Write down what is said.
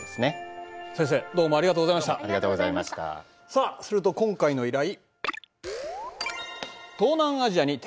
さあすると今回の依頼。